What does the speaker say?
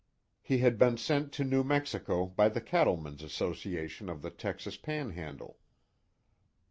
He had been sent to New Mexico by the Cattlemen's Association of the Texas Panhandle.